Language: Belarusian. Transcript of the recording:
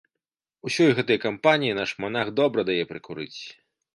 Усёй гэтай кампаніі наш манах добра дае прыкурыць.